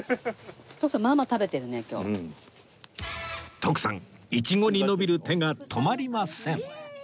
徳さんイチゴに伸びる手が止まりません